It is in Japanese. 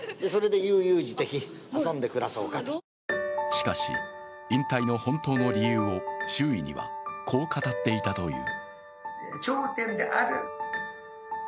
しかし引退の本当の理由を周囲にはこう語っていたという。